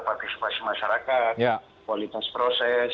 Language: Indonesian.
partisipasi masyarakat kualitas proses